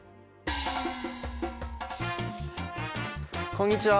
こんにちは！